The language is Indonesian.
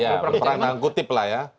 berperang nangkutip lah ya